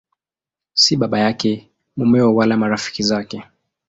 Si baba yake, mumewe wala marafiki zake.